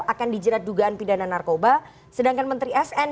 akan dijerat dugaan pidana narkoba sedangkan menteri s n